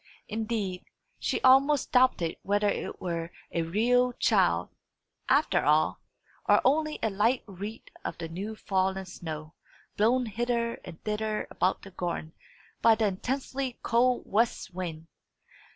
Indeed, she almost doubted whether it were a real child, after all, or only a light wreath of the new fallen snow, blown hither and thither about the garden by the intensely cold west wind.